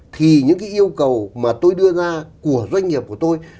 thì những cái yêu cầu mà tôi đưa ra của doanh nghiệp của tôi